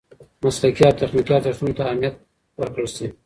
مسلکي او تخنیکي ارزښتونو ته اهمیت ورکړل شي.